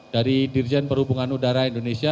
dari dirjen perhubungan udara indonesia